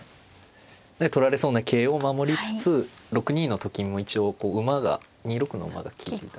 取られそうな桂を守りつつ６二のと金も一応こう馬が２六の馬が利いていた。